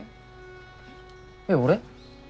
えっ俺？